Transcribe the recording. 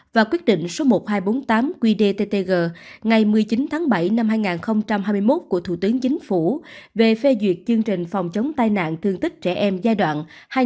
và quyết định số một nghìn hai trăm bốn mươi tám qdttg ngày một mươi chín tháng bảy năm hai nghìn hai mươi một của thủ tướng chính phủ về phê duyệt chương trình phòng chống tai nạn thương tích trẻ em giai đoạn hai nghìn một mươi sáu hai nghìn hai mươi